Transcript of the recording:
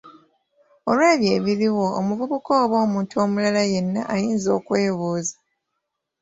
Olw'ebyo ebiriwo omuvubuka oba omuntu omulala yenna ayinza okwebuuza.